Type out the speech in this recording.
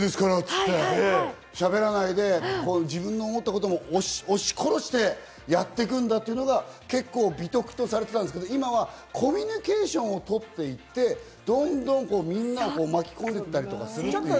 しゃべらないで自分の思ったことを押し殺して、やっていくんだというのが結構美徳とされてたんですけど、今はコミュニケーションをとっていて、どんどんみんなを巻き込んでいったりとかする。